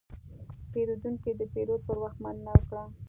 پیرودونکی د پیرود پر وخت مننه وکړه.